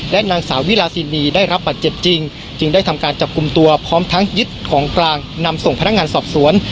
และนางสาวิลาซินีได้รับบัตรเจ็บจริงจึงได้ทำการจับกลุ่มตัวพร้อมทั้งยึดของกลางนำส่งพนักงานสอบสวน